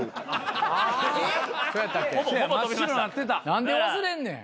何で忘れんねん。